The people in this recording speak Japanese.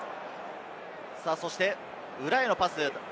そして裏へのパス。